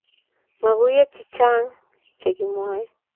mokuye chichang che kimwae